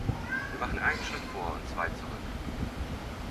Wir machen einen Schritt vor und zwei zurück.